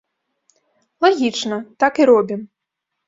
Лагічна, так і робім!